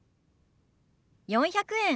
４００円。